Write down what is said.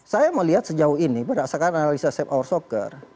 saya melihat sejauh ini berdasarkan analisa safe our soccer